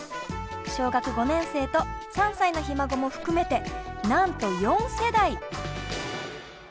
小学５年生と３歳のひ孫も含めてなんと４世代！